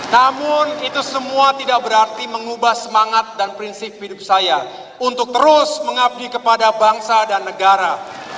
namun itu semua tidak berarti mengubah semangat dan prinsip hidup saya untuk terus mengabdi kepada bangsa dan negara